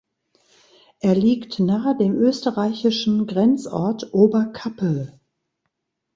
Er liegt nahe dem österreichischen Grenzort Oberkappel.